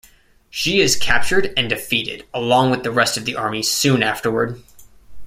She is captured and defeated along with the rest of the army soon afterward.